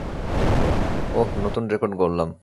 ওহ, নতুন রেকর্ড গড়লাম।